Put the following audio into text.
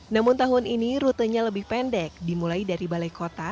namun tahun ini rutenya lebih pendek dimulai dari balai kota